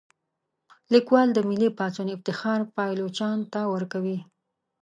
لیکوال د ملي پاڅون افتخار پایلوچانو ته ورکوي.